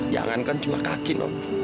jangan kan cuma kaki non